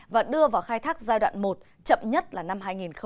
và đưa vào khai thác giai đoạn một chậm nhất là năm hai nghìn hai mươi